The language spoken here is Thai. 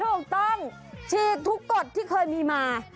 ถูกต้องฉีดทุกกฎที่เคยมีมา